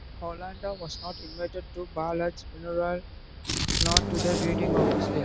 Yolanda was not invited to Ballard's funeral, nor to the reading of his will.